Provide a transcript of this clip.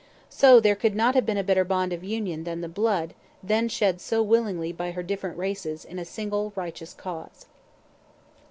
So there could not have been a better bond of union than the blood then shed so willingly by her different races in a single righteous cause.